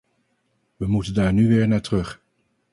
We moeten daar nu weer naar terug.